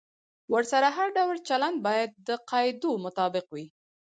ورسره هر ډول چلند باید د قاعدو مطابق وي.